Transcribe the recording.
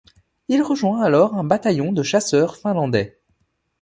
Il rejoint alors un bataillon de chasseurs finlandais.